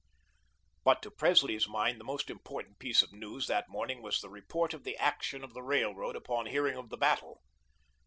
But to Presley's mind the most important piece of news that morning was the report of the action of the Railroad upon hearing of the battle.